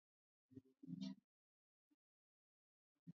Mapafu hujaa maji